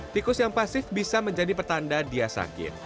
tikus yang pasif bisa menjadi pertanda dia sakit